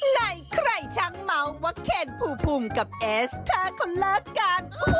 ในใครชั้นเมาว์ว่าเค่นภูมิภูมิกับเอสเทอร์คนเลิกกัน